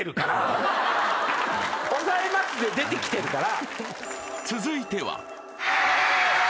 抑えますで出てきてるから。